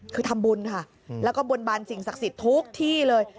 คือทำบุญค่ะแล้วก็บนบานสิ่งศักดิ์สิทธิ์ทุกที่เลย